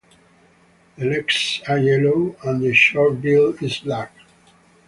The legs are yellow, and the short bill is black.